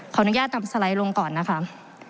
ขออนุญาตทำสไลด์ลงก่อนนะคะ